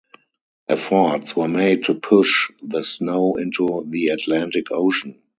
Efforts were made to push the snow into the Atlantic Ocean.